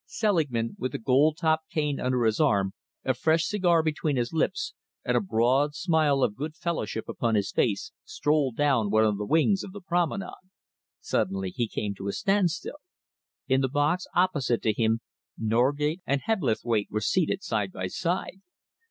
Selingman, with a gold topped cane under his arm, a fresh cigar between his lips, and a broad smile of good fellowship upon his face, strolled down one of the wings of the Promenade. Suddenly he came to a standstill. In the box opposite to him, Norgate and Hebblethwaite were seated side by side.